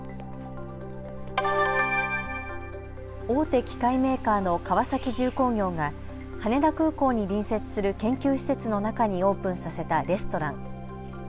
大手機械メーカーの川崎重工業が羽田空港に隣接する研究施設の中にオープンさせたレストラン。